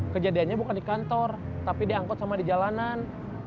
kejadiannya bukan di kantor tapi diangkut sama di jalanan